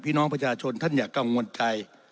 พี่น้องประชาชนท่านอย่ากังวลใจ